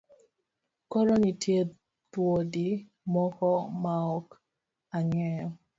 Koro nitie dhoudi moko maok angeyo